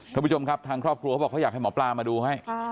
ท่านผู้ชมครับทางครอบครัวเขาบอกเขาอยากให้หมอปลามาดูให้